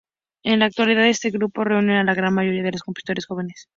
En la actualidad este grupo reúne a la gran mayoría de compositores jóvenes.